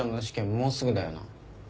もうすぐだよな。